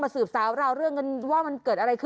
มาสรึปสาวเร่อเรื่องกันว่า